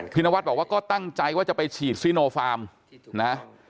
นวัดบอกว่าก็ตั้งใจว่าจะไปฉีดซีโนฟาร์มนะ